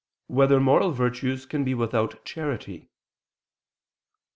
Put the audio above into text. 2] Whether Moral Virtues Can Be Without Charity?